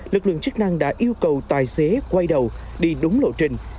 ngân hàng đã yêu cầu tài xế quay đầu đi đúng lộ trình